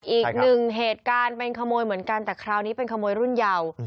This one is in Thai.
อีกหนึ่งเหตุการณ์เป็นขโมยเหมือนกันแต่คราวนี้เป็นขโมยรุ่นเยา